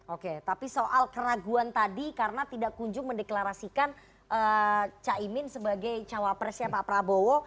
oke tapi soal keraguan tadi karena tidak kunjung mendeklarasikan caimin sebagai cawapresnya pak prabowo